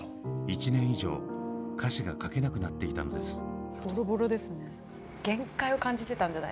１年以上歌詞が書けなくなっていたのです。